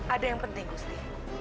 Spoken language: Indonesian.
ada yang penting kusti